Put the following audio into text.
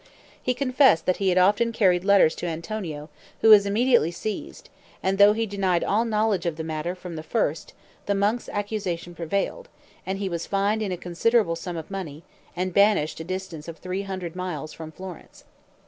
He confessed that he had often carried letters to Antonio, who was immediately seized, and, though he denied all knowledge of the matter from the first, the monk's accusation prevailed, and he was fined in a considerable sum of money, and banished a distance of three hundred miles from Florence.